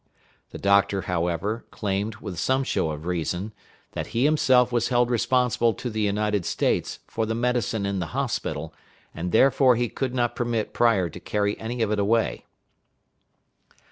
The doctor, however, claimed, with some show of reason, that he himself was held responsible to the United States for the medicine in the hospital, and therefore he could not permit Pryor to carry any of it away.